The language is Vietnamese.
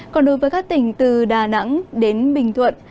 còn đối với các tỉnh từ đà nẵng đến bình thuận